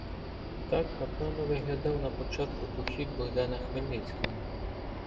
Так, напевно, виглядав на початку похід Богдана Хмельницького.